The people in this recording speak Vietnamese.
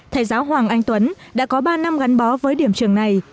thầy giáo hoàng anh tuấn đã có ba năm gắn bó với điểm trường này